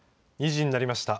２時になりました。